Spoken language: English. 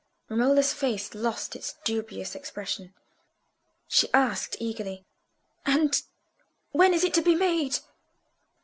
Romola's face lost its dubious expression; she asked eagerly— "And when is it to be made?"